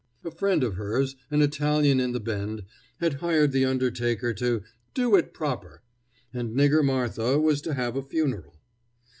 A friend of hers, an Italian in the Bend, had hired the undertaker to "do it proper," and Nigger Martha was to have a funeral.